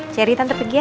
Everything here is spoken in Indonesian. sherry tante pergi ya